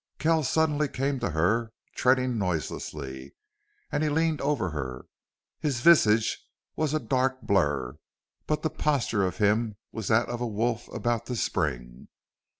Kells suddenly came to her, treading noiselessly, and he leaned over her. His visage was a dark blur, but the posture of him was that of a wolf about to spring.